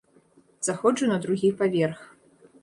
Заходжу на другі паверх.